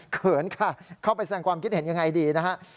เขินค่ะเข้าไปแสดงความคิดเห็นยังไงดีนะฮะ